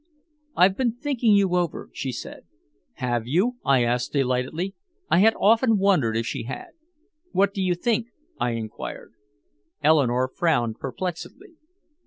"I've been thinking you over," she said. "Have you?" I asked delightedly. I had often wondered if she had. "What do you think?" I inquired. Eleanore frowned perplexedly.